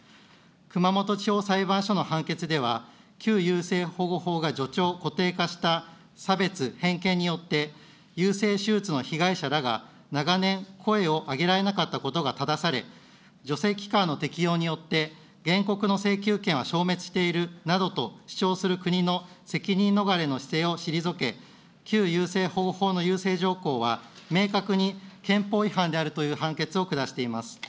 熊本地方裁判所の判決では、旧優生保護法が助長固定化した差別、偏見によって、優生手術の被害者らが長年、声を上げられなかったことがただされ、助成期間の適用によって原告の請求権は消滅しているなどと主張する国の責任逃れの姿勢を退け、旧優生保護法の優生条項は、明確に憲法違反であるという判決を下しています。